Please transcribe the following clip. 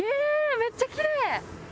めっちゃきれい。